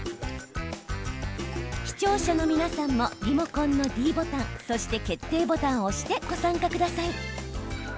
視聴者の皆さんもリモコンのｄボタンそして決定ボタンを押してご参加ください。